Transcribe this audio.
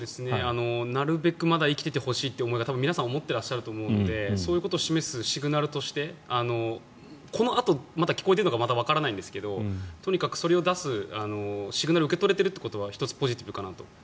なるべくまだ生きていてほしいと皆さん思ってると思いますのでそういうことを示すシグナルとしてこのあとまた聞こえているのかまだわからないんですがとにかくそれを出す、シグナルを受け取れていることは１つ、ポジティブかなと。